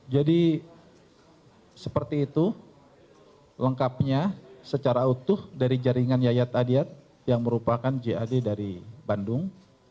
jadi seperti itu lengkapnya secara utuh dari jaringan yayat adiat yang merupakan jad dari bandung